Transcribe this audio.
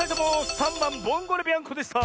３ばん「ボンゴレビアンコ」でした！